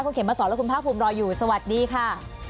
คุณเขมมาสอนและคุณภาคภูมิรออยู่สวัสดีค่ะ